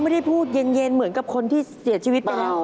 ไม่ได้พูดเย็นเหมือนกับคนที่เสียชีวิตไปแล้ว